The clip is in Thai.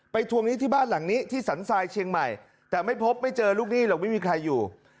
ทวงหนี้ที่บ้านหลังนี้ที่สันทรายเชียงใหม่แต่ไม่พบไม่เจอลูกหนี้หรอกไม่มีใครอยู่